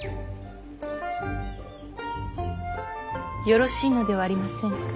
よろしいのではありませんか。